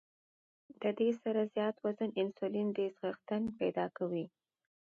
د دې سره زيات وزن انسولين ريزسټنس پېدا کوي